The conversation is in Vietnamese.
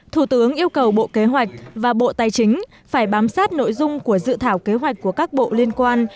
thủ tướng yêu cầu bộ kế hoạch và bộ tài chính phải bám sát nội dung của dự thảo kế hoạch của các bộ liên quan